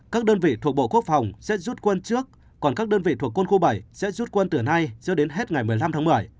các đơn vị thuộc bộ quốc phòng sẽ rút quân trước còn các đơn vị thuộc quân khu bảy sẽ rút quân từ nay cho đến hết ngày một mươi năm tháng một mươi